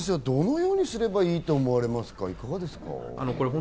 では佐藤先生はどのようにすればいいと思われますか？